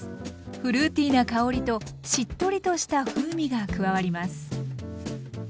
フルーティーな香りとしっとりとした風味が加わります。